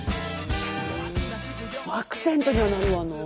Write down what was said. アクセントにはなるわなあ。